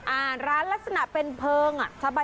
อ่าร้านลักษณะเป็นเพลิงอ่ะ